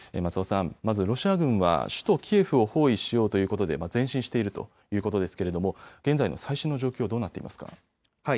まずロシア軍は首都キエフを包囲しようということで前進しているということですけれども現在の最新の状況、どうなっていますか。